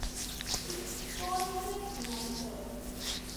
Paul stood behind her.